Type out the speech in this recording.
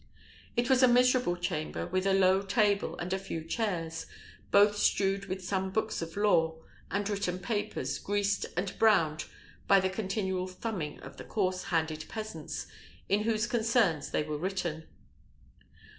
It was a miserable chamber, with a low table, and a few chairs, both strewed with some books of law, and written papers, greased and browned by the continual thumbing of the coarse handed peasants, in whose concerns they were written.